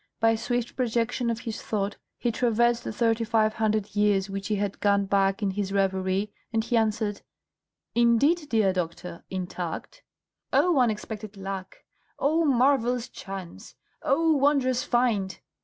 By swift projection of his thought he traversed the thirty five hundred years which he had gone back in his reverie, and he answered, "Indeed, dear doctor, intact?" "Oh, unexpected luck! oh, marvellous chance! oh, wondrous find!"